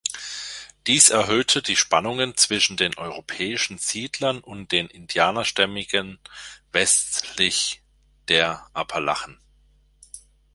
Dies erhöhte die Spannungen zwischen den europäischen Siedlern und den Indianerstämmen westlich der Appalachen.